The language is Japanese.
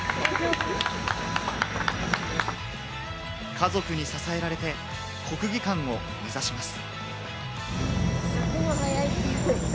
家族に支えられて国技館を目指します。